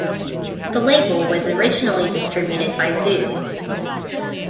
The label was originally distributed by Zoo.